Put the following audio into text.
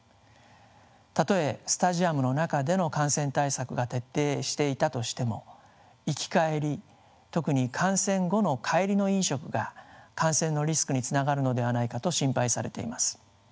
たとえスタジアムの中での感染対策が徹底していたとしても行き帰り特に観戦後の帰りの飲食が感染のリスクにつながるのではないかと心配されています。